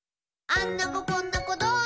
「あんな子こんな子どんな子？